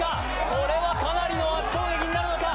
これはかなりの圧勝劇になるのか？